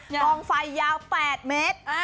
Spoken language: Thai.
กองไฟยาว๘เมตร